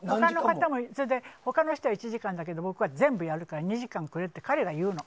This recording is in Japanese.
他の人は１時間だけど僕は全部やるから２時間くれって彼が言うの。